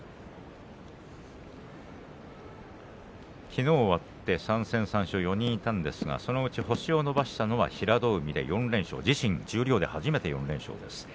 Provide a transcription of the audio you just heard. きのう終わって３戦３勝４人いたんですが、そのうち星を伸ばしたのは平戸海で４連勝自身、十両で初めて４連勝です。